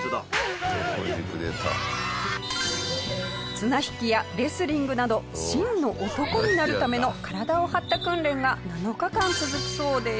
綱引きやレスリングなど真の男になるための体を張った訓練が７日間続くそうです。